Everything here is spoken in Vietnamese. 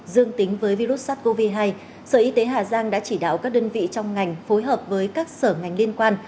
dương tính với virus sars cov hai sở y tế hà giang đã chỉ đạo các đơn vị trong ngành phối hợp với các sở ngành liên quan